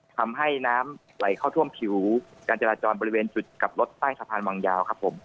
ทำให้น้ำไหลเข้าท่วมผิวกันเจราะจรบริเวณจุดกับรถในสะพานวังยาว